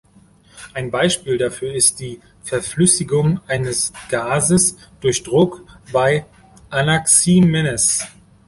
Ein Beispiel dafür ist die Verflüssigung eines Gases durch Druck bei Anaximenes.